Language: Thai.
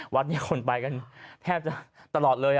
วัดนี้คนไปกันแทบจะตลอดเลย